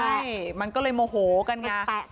ใช่มันก็เลยโมโหกันไง